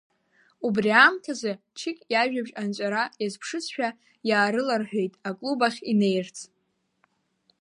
Убри аамҭазы Чықь иажәабжь анҵәара иазԥшызшәа иаарыларҳәеит аклуб ахь инеирц.